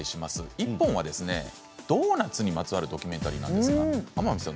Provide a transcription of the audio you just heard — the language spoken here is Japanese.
１本はドーナツにまつわるドキュメンタリーなんですが天海さん